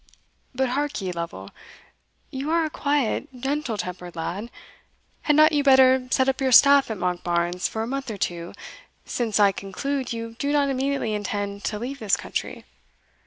But hark ye, Lovel; you are a quiet, gentle tempered lad; had not you better set up your staff at Monkbarns for a month or two, since I conclude you do not immediately intend to leave this country?